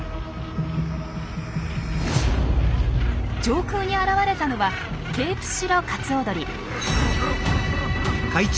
上空に現れたのはケープシロカツオドリ。